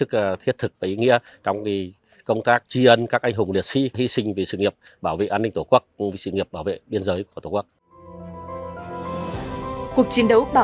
cuộc chiến đấu bảo vệ biên giới